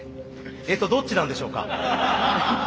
えっとどっちなんでしょうか？